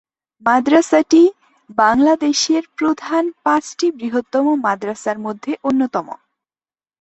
মাদ্রাসাটি বাংলাদেশের প্রধান পাঁচটি বৃহত্তম মাদ্রাসার মধ্যে অন্যতম।